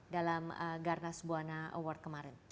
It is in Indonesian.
dalam garnas buwana award kemarin